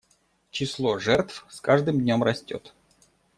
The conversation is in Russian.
Число жертв с каждым днем растет.